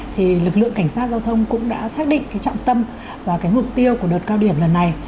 thì lực lượng cảnh sát giao thông cũng đã xác định cái trọng tâm và cái mục tiêu của đợt cao điểm lần này